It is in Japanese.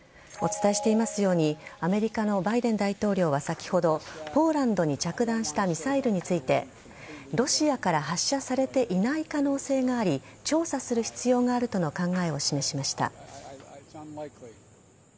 お伝えしていますようにアメリカのバイデン大統領は先ほどポーランドに着弾したミサイルについてロシアから発射されていない可能性があり調査する必要があるとの考えを示しました。